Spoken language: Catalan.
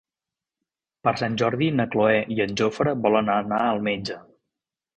Per Sant Jordi na Cloè i en Jofre volen anar al metge.